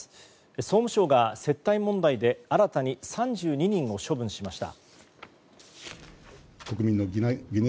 総務省が接待問題で新たに３２人を処分しました。